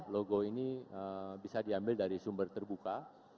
logo ini bisa diambil dari sumber terbuka